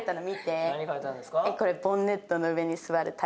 これボンネットの上に座る妙ちゃん。